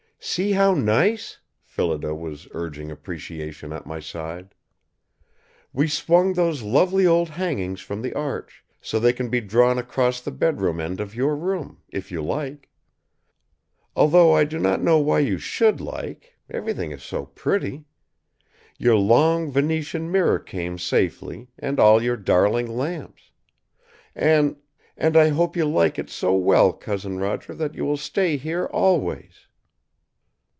"See how nice?" Phillida was urging appreciation at my side. "We swung those lovely old hangings from the arch, so they can be drawn across the bedroom end of your room, if you like. Although I do not know why you should like, everything is so pretty! Your long Venetian mirror came safely, and all your darling lamps. And and I hope you like it so well, Cousin Roger, that you will stay here always!"